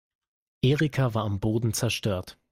Erika war am Boden zerstört.